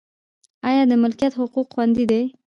آیا د ملکیت حقوق خوندي دي؟